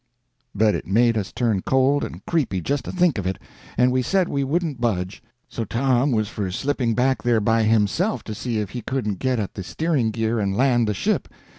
But it made us turn cold and creepy just to think of it, and we said we wouldn't budge. So Tom was for slipping back there by himself to see if he couldn't get at the steering gear and land the ship.